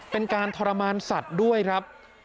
เป็นการทรมานสัตว์ด้วยครับ